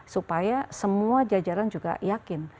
supaya semua jajaran juga yakin